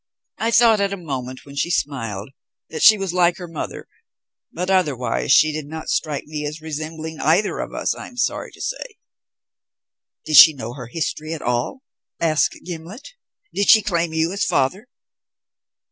"I thought at one moment, when she smiled, that she was like her mother; but otherwise she did not strike me as resembling either of us, I am sorry to say." "Did she know her history at all?" asked Gimblet. "Did she claim you as father?"